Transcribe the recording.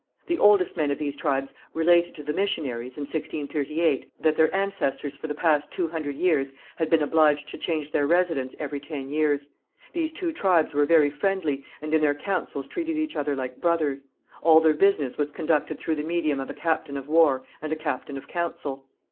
The oldest men of these tribes related to the missionaries, in 1638, that their ancestors for the past two hundred years had been obliged to change their residence every ten years. These two tribes were very friendly, and in their councils treated each other like brothers. All their business was conducted through the medium of a captain of war and a captain of council.